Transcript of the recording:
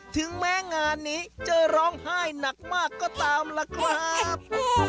ถึงแม้งานนี้จะร้องไห้หนักมากก็ตามล่ะครับ